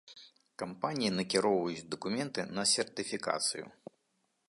Кампаніі накіроўваюць дакументы на сертыфікацыю.